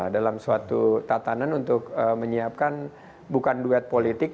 dalam suatu tatanan untuk menyiapkan bukan duet politik